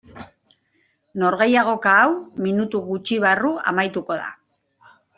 Norgehiagoka hau minutu gutxi barru amaituko da.